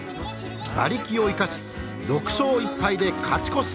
馬力を生かし６勝１敗で勝ち越し。